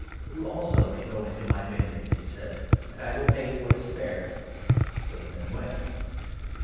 ' You also may 4 go into my vineyard,' he said, 'and I will pay you what is fair.' So the men went.